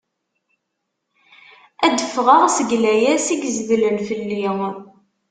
Ad d-ffɣeɣ seg layas i izedlen fell-i.